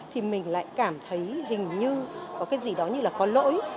thì mình lại cảm thấy hình như có cái gì đó như là có lỗi